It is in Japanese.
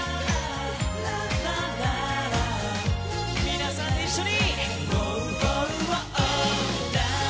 皆さん、一緒に！